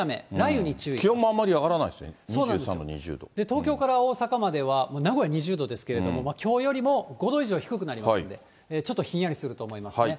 東京から大阪までは、名古屋２０度ですけれども、きょうよりも５度以上低くなりますんで、ちょっとひんやりすると思いますね。